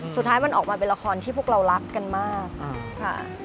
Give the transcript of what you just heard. สุดท้ายมันออกมาเป็นละครที่พวกเรารักกันมากค่ะ